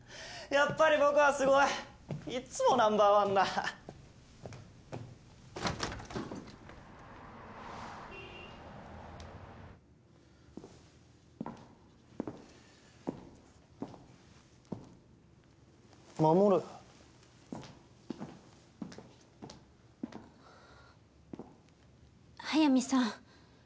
やっぱり僕はすごいいっつもナンバー１だまもる速水さん